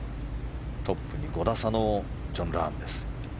トップに５打差のジョン・ラームです。